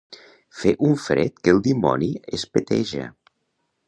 Fer un fred que el dimoni es peteja.